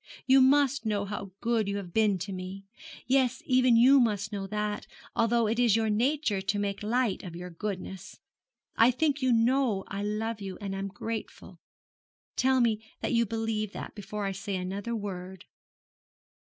'You must know how good you have been to me. Yes, even you must know that, although it is your nature to make light of your goodness. I think you know I love you and am grateful. Tell me that you believe that before I say another word.'